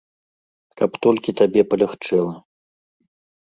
Каб толькі табе палягчэла.